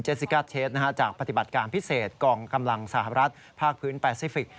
ซิกาเชฟจากปฏิบัติการพิเศษกองกำลังสหรัฐภาคพื้นแปซิฟิกส